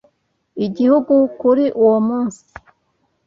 Igihugu kuri uwo munsi